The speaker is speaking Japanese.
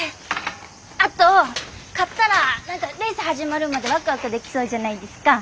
あと買ったら何かレース始まるまでワクワクできそうじゃないですか。